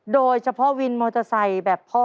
โดยเฉพาะวินมอเตอร์ไซค์แบบพ่อ